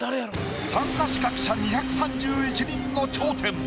参加資格者２３１人の頂点。